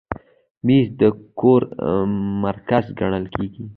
مېز د کور مرکز ګڼل کېږي.